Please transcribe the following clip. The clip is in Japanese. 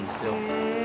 へえ。